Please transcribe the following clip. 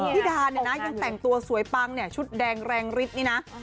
พี่ดาเนี่ยนะยังแต่งตัวสวยปังเนี่ยชุดแดงแรงฤทธิ์นี่นะ